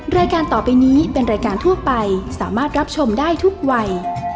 รายการต่อไปนี้เป็นรายการทั่วไปสามารถรับชมได้ทุกวัย